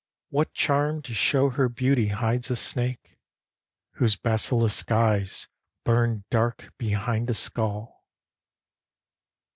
What charm to show her beauty hides a snake, Whose basilisk eyes burn dark behind a skull.